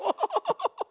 ハッハハ。